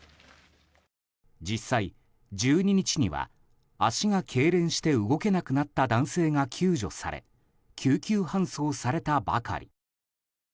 実際１２日には足がけいれんして動けなくなった男性が救助され救急搬送されたばかり。